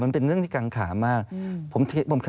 มันเป็นเรื่องที่กังขามาก